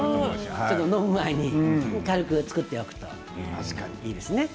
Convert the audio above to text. ちょっと飲む前に軽く作っておくといいですね。